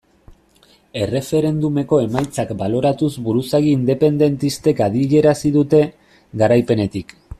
Erreferendumeko emaitzak baloratuz buruzagi independentistek adierazi dute, garaipenetik.